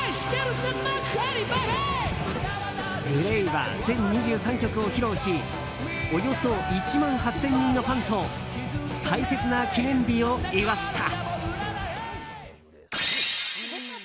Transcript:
ＧＬＡＹは全２３曲を披露しおよそ１万８０００人のファンと大切な記念日を祝った。